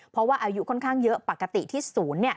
เพราะว่าอายุค่อนข้างเยอะปกติที่ศูนย์